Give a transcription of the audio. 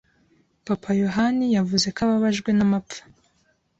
Papa Yohani yavuze ko ababajwe n’amapfa